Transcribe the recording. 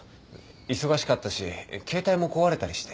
忙しかったし携帯も壊れたりして。